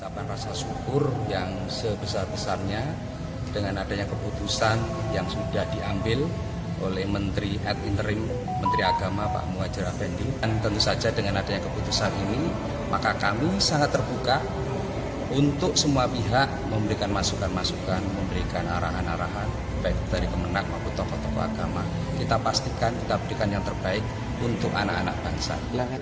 pesantren yang diambil oleh menteri agama pak muhajir fnd dan tentu saja dengan adanya keputusan ini maka kami sangat terbuka untuk semua pihak memberikan masukan masukan memberikan arahan arahan baik dari kemenang maupun tokoh tokoh agama kita pastikan kita berikan yang terbaik untuk anak anak bangsa